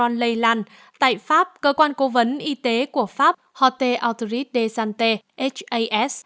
cơ quan lây lan tại pháp cơ quan cố vấn y tế của pháp hote autorite desante h a s